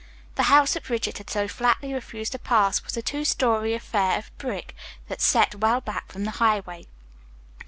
The house that Bridget had so flatly refused to pass was a two story affair of brick that set well back from the highway.